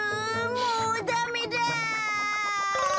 もうダメだ！